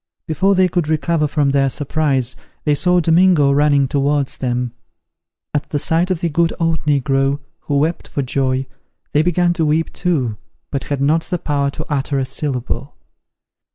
Before they could recover from their surprise, they saw Domingo running towards them. At the sight of the good old negro, who wept for joy, they began to weep too, but had not the power to utter a syllable.